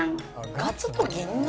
ガツと銀杏！